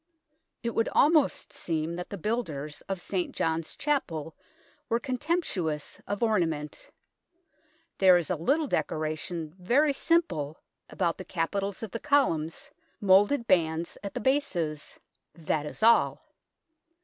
It would almost seem that the builders of St. John's Chapel were contemptuous of ornament. There is, a little decoration, very simple, about the capitals of the columns, moulded bands at the bases that is all.